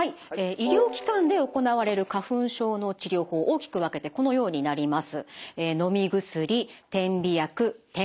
医療機関で行われる花粉症の治療法大きく分けてこのようになります。